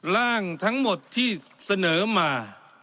ร่างทั้งหมดที่เสนอมา